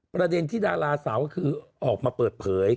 ประเด็นที่ดาราสาวก็คือออกมาเปิดเผย